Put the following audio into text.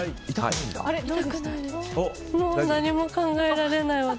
もう何も考えられない、私。